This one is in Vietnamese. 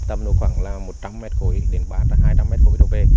tầm khoảng là một trăm linh m khối đến hai trăm linh m khối thông vệ